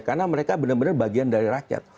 karena mereka benar benar bagian dari rakyat